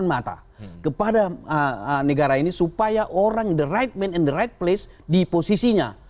ini suatu harus kita membuka mata kepada negara ini supaya orang yang berpikir yang benar di posisinya